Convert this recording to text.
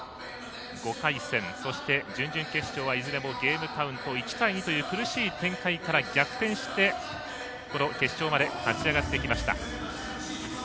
５回戦、そして準々決勝はいずれもゲームカウント１対２という苦しい展開から逆転してこの決勝まで勝ち上がってきました。